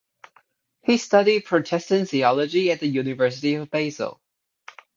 He studied Protestant theology at the University of Basel.